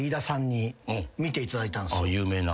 有名な。